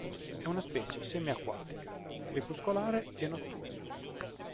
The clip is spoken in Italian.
È una specie semi-acquatica, crepuscolare e notturna.